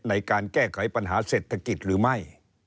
ในการแก้ไขปัญหาเศรษฐกิจหรือไม่